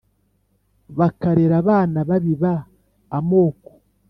bakarera abana babiba amoko